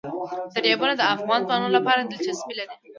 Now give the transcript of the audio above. دریابونه د افغان ځوانانو لپاره دلچسپي لري.